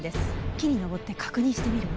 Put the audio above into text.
木に登って確認してみるわ。